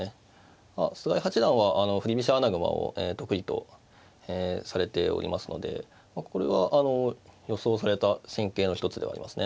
菅井八段は振り飛車穴熊を得意とされておりますのでこれは予想された戦型の一つではありますね。